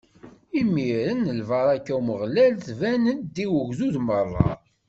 Imiren lbaṛaka n Umeɣlal tban-d i ugdud meṛṛa.